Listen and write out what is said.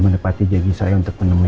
menepati jagi saya untuk menemui pak nino